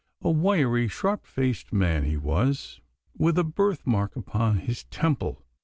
A wiry, sharp faced man he was, with a birth mark upon his temple.